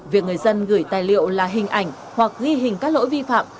việc người dân gửi tài liệu là hình ảnh hoặc ghi hình các lỗi vi phạm